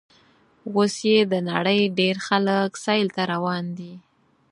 اوس یې د نړۍ ډېر خلک سیل ته روان دي.